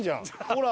ほら！